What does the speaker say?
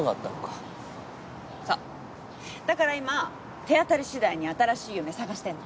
だから今手当たりしだいに新しい夢探してんの。